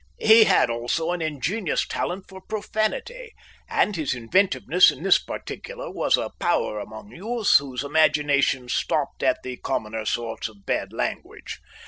He had also an ingenious talent for profanity, and his inventiveness in this particular was a power among youths whose imaginations stopped at the commoner sorts of bad language.